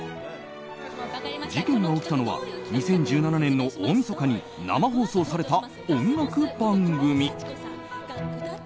事件が起きたのは２０１７年の大みそかに生放送された音楽番組。